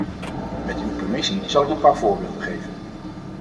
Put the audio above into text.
Met uw permissie zal ik een paar voorbeelden geven.